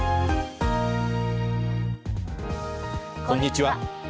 こんにちは。